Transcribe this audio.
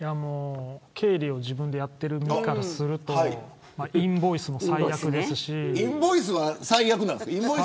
経理を自分でやっている身からするとインボイスも最悪ですし。